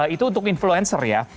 itu untuk influencer ya